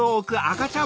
かちゃん